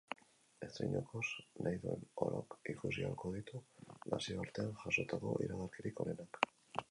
Estreinekoz, nahi duen orok ikusi ahalko ditu nazioartean jasotako iragarkirik onenak.